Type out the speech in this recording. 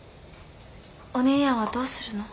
お姉やんはどうするの？